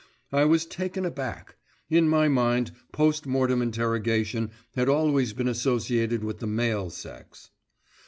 I was taken aback: in my mind post mortem interrogation had always been associated with the male sex.